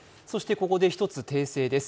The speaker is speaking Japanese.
ここで一つ訂正です。